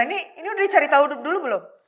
ini udah dicari tahu dulu belum